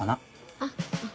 あっ。